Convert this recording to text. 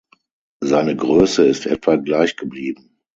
Seine Größe ist etwa gleich geblieben.